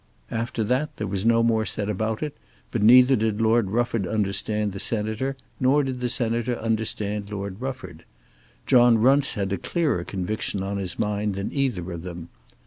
After that there was no more said about it; but neither did Lord Rufford understand the Senator nor did the Senator understand Lord Rufford. John Runce had a clearer conviction on his mind than either of them.